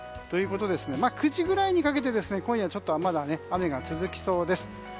ということで９時ぐらいにかけて今夜はまだ雨が続きそうです。